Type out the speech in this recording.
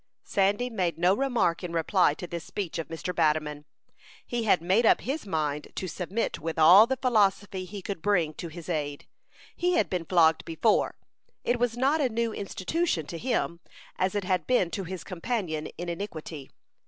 Sandy made no remark in reply to this speech of Mr. Batterman. He had made up his mind to submit with all the philosophy he could bring to his aid. He had been flogged before. It was not a new institution to him, as it had been to his companion in iniquity.